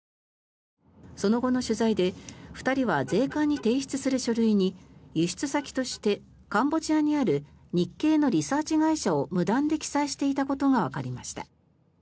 その後の取材で２人は税関に提出する書類に輸出先としてカンボジアにある日系のリサーチ会社を無断で記載していたことがわかりました。